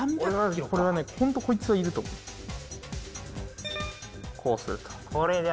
俺はこれはねホントこいつはいると思う。